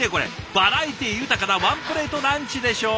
バラエティー豊かなワンプレートランチでしょう？